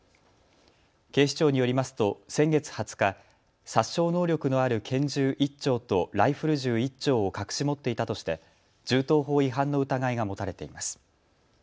警視庁によりますと先月２０日、殺傷能力のある拳銃１丁とライフル銃１丁を隠し持っていたとして銃刀法違反の疑いが持たれています。